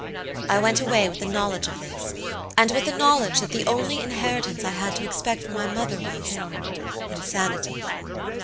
"I went away with the knowledge of this, and with the knowledge that the only inheritance I had to expect from my mother wasinsanity!